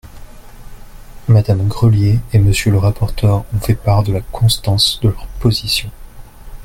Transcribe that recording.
Madame Grelier et Monsieur le rapporteur ont fait part de la constance de leur position.